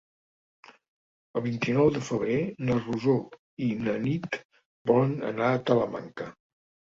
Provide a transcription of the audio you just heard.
El vint-i-nou de febrer na Rosó i na Nit volen anar a Talamanca.